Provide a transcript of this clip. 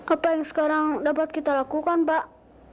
apa yang sekarang dapat kita lakukan pak